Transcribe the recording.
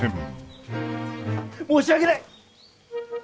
申し訳ない！